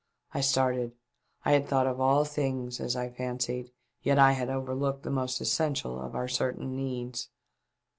I started. I had thought of all things, as I fancied , yet I had overlooked the most essential of our certain needs.